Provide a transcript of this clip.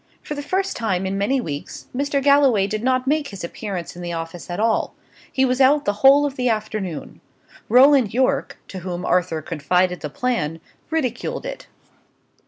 For the first time for many weeks, Mr. Galloway did not make his appearance in the office at all; he was out the whole of the afternoon. Roland Yorke, to whom Arthur confided the plan, ridiculed it.